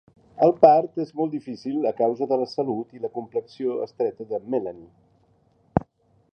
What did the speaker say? El part és molt difícil a causa de la salut i la complexió estreta de Melanie.